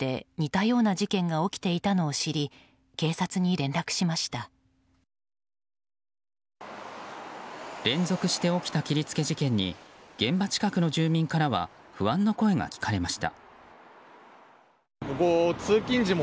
連続して起きた切りつけ事件に現場近くの住民からは不安の声が聞かれました。